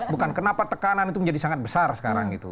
bukan kenapa tekanan itu menjadi sangat besar sekarang gitu